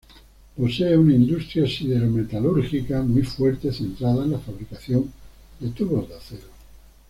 Posee una industria sidero-metalúrgica muy fuerte centrada en la fabricación de tubos de acero.